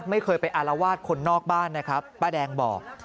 ไม่เคยไปอารวาสคนนอกบ้านนะครับป้าแดงบอก